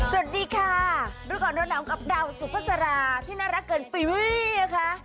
สวัสดีค่ะดูก่อนดูน้ำกับดาวสุภาษาที่น่ารักเกินปุ่ยมุ้ยนะคะ